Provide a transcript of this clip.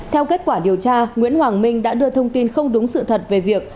theo kết quả điều tra nguyễn hoàng minh đã đưa thông tin không đúng sự thật về việc